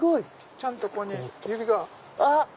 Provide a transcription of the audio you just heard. ちゃんとここに指が。